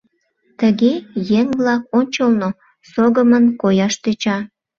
Тыге еҥ-влак ончылно согымын кояш тӧча.